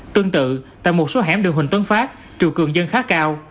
tương tự tại một số hẻm đường huỳnh tuấn phát triều cường dân khá cao